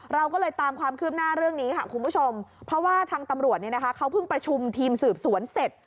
เราก็เลยตามความคืบหน้าเรื่องนี้ค่ะคุณผู้ชมเพราะว่าทางตำรวจเนี่ยนะคะเขาเพิ่งประชุมทีมสืบสวนเสร็จ